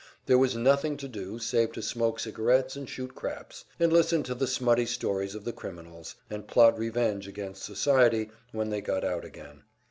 There was nothing to do save to smoke cigarettes and shoot craps, and listen to the smutty stories of the criminals, and plot revenge against society when they got out again.